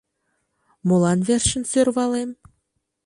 Молан верчын сӧрвалем?